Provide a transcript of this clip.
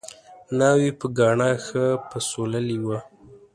ناوې په ګاڼه ښه پسوللې وه